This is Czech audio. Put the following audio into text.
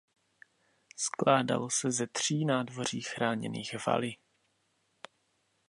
Skládalo se ze tří nádvoří chráněných valy.